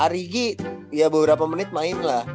arigi ya beberapa menit main lah